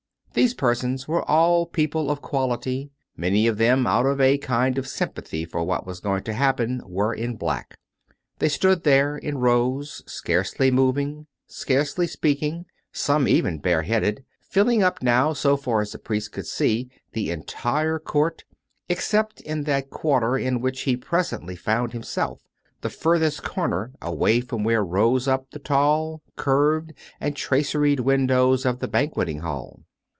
These persons were all people of qual ity; many of them, out of a kind of sympathy for what was to happen, were in black. They stood there in rows, scarcely moving, scarcely speaking, some even bare headed, filling up now, so far as the priest could see, the entire court, except in that quarter in which he presently found himself — the furthest corner away from where rose up the tall carved and traceried windows of the banqueting hall.